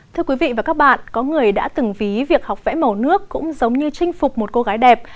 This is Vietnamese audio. thưa quý vị và các bạn có người đã từng ví việc học vẽ màu nước cũng giống như chinh phục một cô gái đẹp